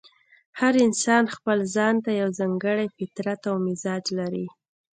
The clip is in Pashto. هر انسان ځپل ځان ته یو ځانګړی فطرت او مزاج لري.